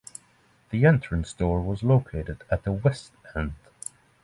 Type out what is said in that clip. The entrance door was located at the west end.